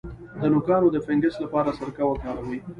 د نوکانو د فنګس لپاره سرکه وکاروئ